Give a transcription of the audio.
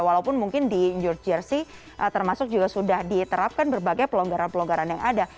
walaupun mungkin di new jersey termasuk juga sudah diterapkan berbagai pelonggaran pelonggaran yang ada